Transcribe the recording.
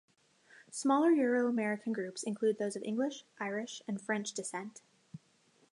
Smaller Euro-American groups include those of English, Irish, and French descent.